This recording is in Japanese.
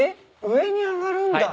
上に上がるんだ。